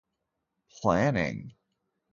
Planning.